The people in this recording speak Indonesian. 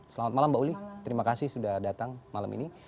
selamat malam mbak uli terima kasih sudah datang malam ini